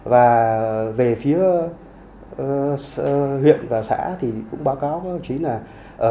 và về phía huyện và xã thì cũng báo cáo đồng chí nẻo